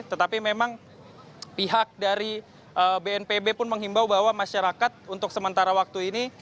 tetapi memang pihak dari bnpb pun menghimbau bahwa masyarakat untuk sementara waktu ini